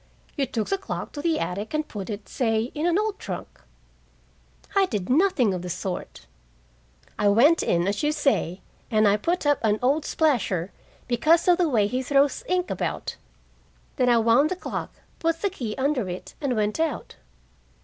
" you took the clock to the attic and put it, say, in an old trunk." "I did nothing of the sort. I went in, as you say, and I put up an old splasher, because of the way he throws ink about. Then I wound the clock, put the key under it, and went out."